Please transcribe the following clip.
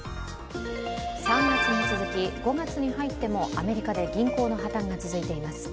３月に続き５月に入ってもアメリカで銀行の破綻が続いています。